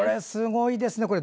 すごいですね。